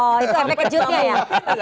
oh itu apa yang kejutnya ya